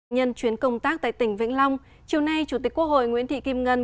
nhân chuyến công tác tại tỉnh vĩnh long chiều nay chủ tịch quốc hội nguyễn thị kim ngân